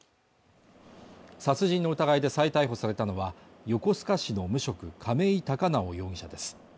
殺人の疑いで再逮捕されたのは横須賀市の無職亀井孝直容疑者です